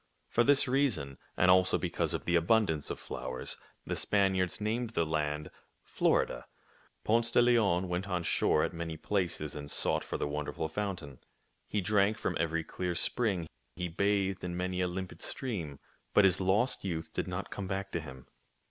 For this reason, and also because of the abundance of flowers, the Spaniards named the land Florida. Ponce de Leon went on shore at many places and sought for the wonderful fountain. He drank from every clear spring. He bathed in many a limpid stream. But his lost youth did not come back to him.